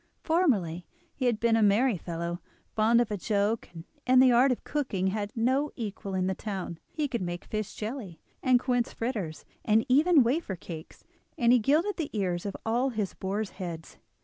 Formerly he had been a merry fellow, fond of a joke, and in the art of cooking had no equal in the town. He could make fish jelly, and quince fritters, and even wafer cakes; and he gilded the ears of all his boars' heads.